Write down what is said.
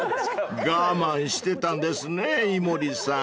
［我慢してたんですね井森さん］